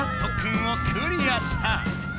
前回をクリアした。